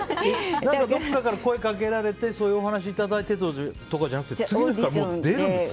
どこかから声掛けられてそういうお話をいただいてとかじゃなくて次の日から出るんですか。